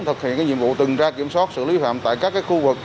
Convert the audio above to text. thực hiện nhiệm vụ từng ra kiểm soát xử lý phạm tại các khu vực